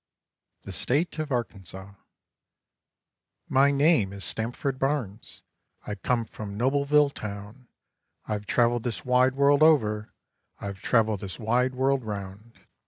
THE STATE OF ARKANSAW My name is Stamford Barnes, I come from Nobleville town; I've traveled this wide world over, I've traveled this wide world round.